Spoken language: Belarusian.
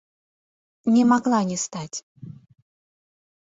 Не магла не стаць.